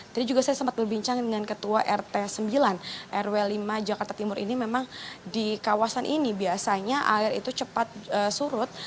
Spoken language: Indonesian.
tadi juga saya sempat berbincang dengan ketua rt sembilan rw lima jakarta timur ini memang di kawasan ini biasanya air itu cepat surut